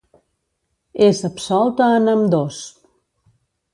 ÉS absolta en ambdós.